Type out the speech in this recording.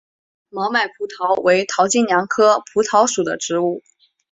毛脉蒲桃为桃金娘科蒲桃属的植物。